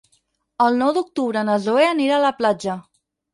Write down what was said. El nou d'octubre na Zoè anirà a la platja.